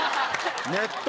ネット